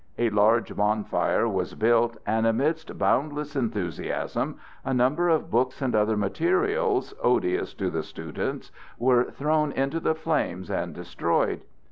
A large bonfire was built, and amidst boundless enthusiasm a number of books and other materials, odious to the students, were thrown into the flames and destroyed.